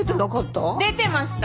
出てました。